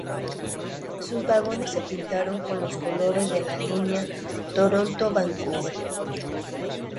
Sus vagones se pintaron con los colores de la línea Toronto-Vancouver.